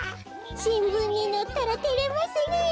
しんぶんにのったらてれますねえ。